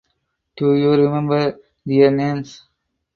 Do you remember their names?